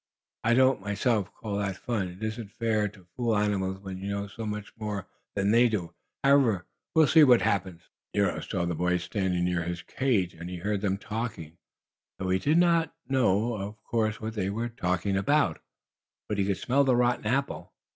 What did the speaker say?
I don't, myself, call that fun. It isn't fair to fool animals when you know so much more than they do. However we'll see what happened. Nero saw the boys standing near his cage, and he heard them talking, though he did not, of course, know what they were saying. But he could smell the rotten apple.